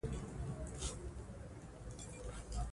که چېرې موږ او تاسو په دې بيت فکر وکړو